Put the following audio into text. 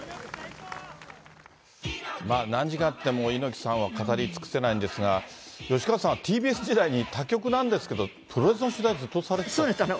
何時間あっても、猪木さんは語り尽くせないんですが、吉川さんは、ＴＢＳ時代に他局なんですけど、プロレスの取材、ずっとされてたそうです。